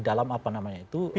dalam apa namanya itu